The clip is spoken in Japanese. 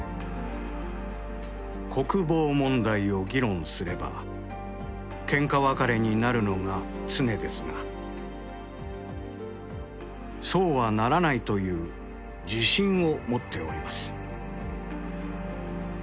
「国防問題を議論すればケンカ別れになるのが常ですがそうはならないという自信を持っております」。